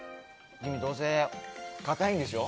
君、どうせ硬いんでしょ？